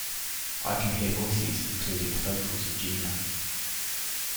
"I Can Hear Voices" included the vocals of Jina.